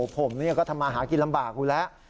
ผมก็ทำมาหากินลำบากอยู่แล้ว